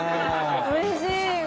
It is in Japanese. おいしい。